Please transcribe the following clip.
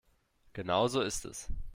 Genau so ist es.